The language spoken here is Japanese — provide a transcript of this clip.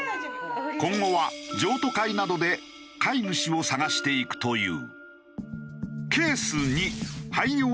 今後は譲渡会などで飼い主を探していくという。